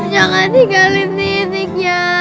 jangan tinggalin titiknya